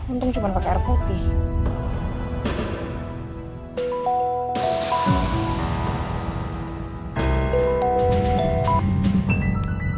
untung cuma pakai air putih